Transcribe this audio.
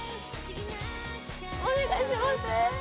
お願いします。